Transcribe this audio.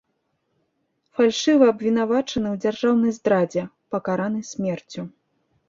Фальшыва абвінавачаны ў дзяржаўнай здрадзе, пакараны смерцю.